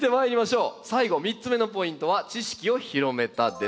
最後３つ目のポイントは「知識を広めた」です。